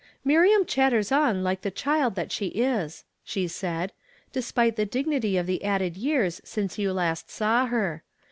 "■Miriam eliatters on like the ehild that she is," she said, " despite the dignity of the added years since you last saw her.